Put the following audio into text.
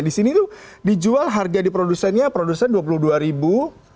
di sini tuh dijual harga di produsennya produsen rp dua puluh dua ribu